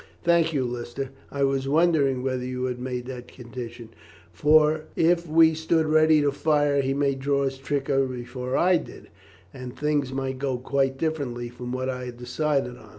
"Thank you, Lister. I was wondering whether you had made that condition, for if we stood ready to fire he might draw his trigger before I did, and things might go quite differently to what I had decided on.